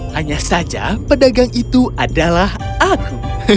hanya saja pedagang itu adalah aku